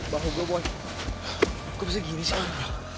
beliau masih dulu ada sayang